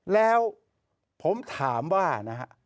แล้วผมถามว่านะฮะ